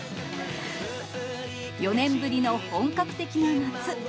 ４年ぶりの本格的な夏。